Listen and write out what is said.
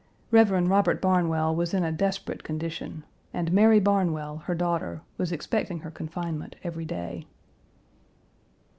Rev. Robert Barnwell was in a desperate condition, and Mary Barnwell, her daughter, was expecting her confinement every day.